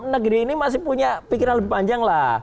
negeri ini masih punya pikiran lebih panjang lah